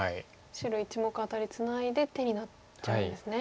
白１目アタリツナいで手になっちゃうんですね。